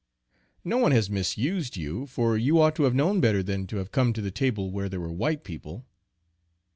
"No one has misused you, for you ought to have known better than to have come to the table where there were white people."